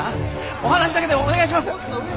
お話だけでもお願いしますよ。